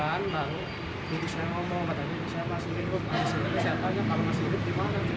saya tanya kalau masih hidup gimana